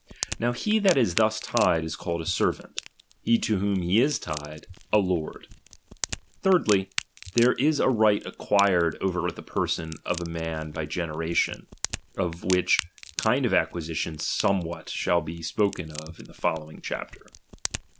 Now he that is thus tied, is called a servant ; he to whom be is tied, a lord. Thirdly, there is a right ac quired over the person of a man by generation ; of which kind of acquisition somewhat shall be spoken in the following chapter.